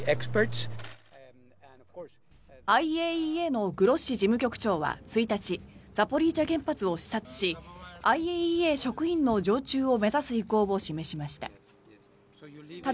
ＩＡＥＡのグロッシ事務局長は１日ザポリージャ原発を視察しＩＡＥＡ職員の常駐を目指す意向を示しました。